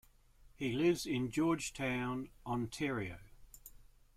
He lives in Georgetown, Ontario.